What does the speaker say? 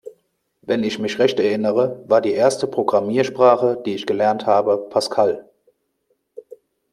Wenn ich mich recht erinnere, war die erste Programmiersprache, die ich gelernt habe, Pascal.